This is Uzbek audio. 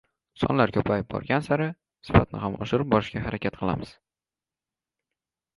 Sonlar koʻpayib borgani sari sifatni ham oshirib borishga harakat qilamiz.